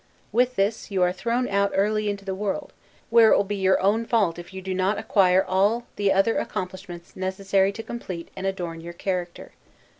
With this, you are thrown out early into the world, where it will be your own fault if you do not acquire all, the other accomplishments necessary to complete and adorn your character.